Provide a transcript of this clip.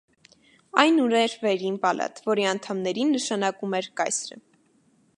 Այն ուներ վերին պալատ, որի անդամներին նշանակում էր կայսրը։